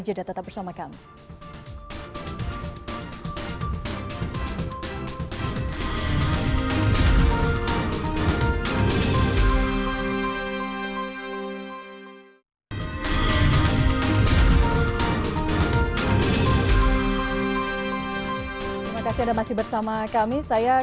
jadah tetap bersama kami